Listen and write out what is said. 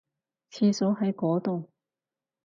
廁所喺嗰度